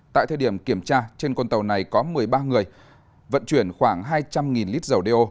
tại thời điểm kiểm tra trên con tàu này có một mươi ba người vận chuyển khoảng hai trăm linh lít dầu đeo